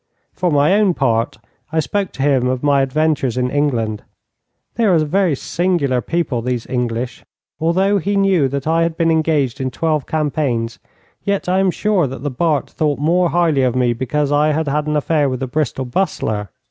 For my own part, I spoke to him of my adventures in England. They are a very singular people, these English. Although he knew that I had been engaged in twelve campaigns, yet I am sure that the Bart thought more highly of me because I had had an affair with the Bristol Bustler.